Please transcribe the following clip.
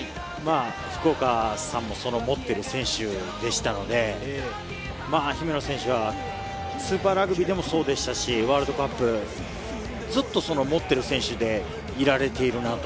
福岡さんも、その持っている選手でしたので、姫野選手はスーパーラグビーでもそうでしたし、ワールドカップ、ずっと思っている選手でいられているなと。